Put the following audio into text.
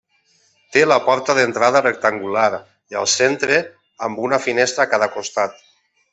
Té la porta d'entrada rectangular i al centre, amb una finestra a cada costat.